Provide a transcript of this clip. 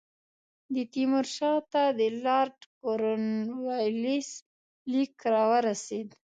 د تیمور شاه ته د لارډ کورنوالیس لیک را ورسېد.